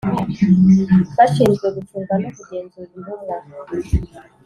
bashinzwe gucunga no kugenzura intumwa